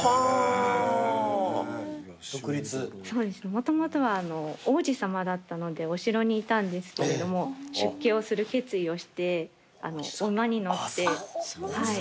もともとは王子様だったのでお城にいたんですけれども出家をする決意をして馬に乗って。